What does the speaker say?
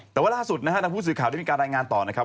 แต่ว่าล่าสุดนะฮะทางผู้สื่อข่าวได้มีการรายงานต่อนะครับ